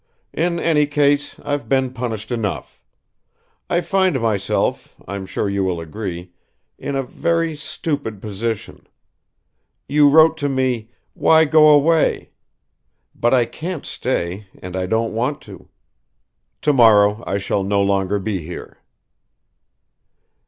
In any case I've been punished enough. I find myself, I'm sure you will agree, in a very stupid position. You wrote to me, 'Why go away?' But I can't stay and I don't want to. Tomorrow I shall no longer be here."